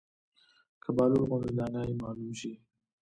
که بهلول غوندې دانا ئې معلم شي